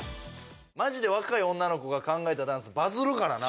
マジで若い女の子が考えたダンスバズるからな。